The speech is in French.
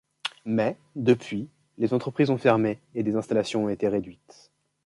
Mais, depuis, les entreprises ont fermé et des installations ont été réduites.